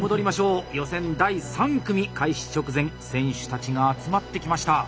予選第３組開始直前選手たちが集まってきました。